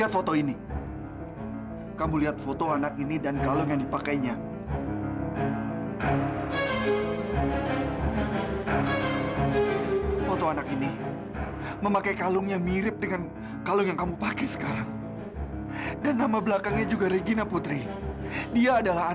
sampai jumpa di video selanjutnya